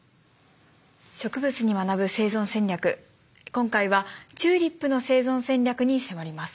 今回はチューリップの生存戦略に迫ります。